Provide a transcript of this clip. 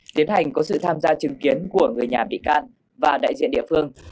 tiến hành có sự tham gia chứng kiến của người nhà bị can và đại diện địa phương